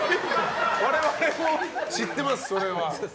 我々も知ってます、それは。